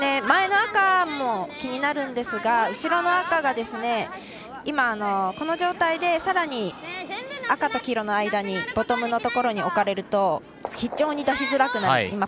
前の赤も気になるんですが後ろの赤が、この状態でさらに赤と黄色の間にボトムのところに置かれると出しづらくなります。